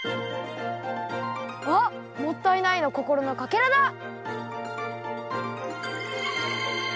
あっ「もったいない」のこころのかけらだ！